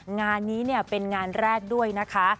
งานนี้เป็นงานแรกด้วยนะคะ